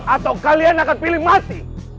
atau kalian akan pilih mati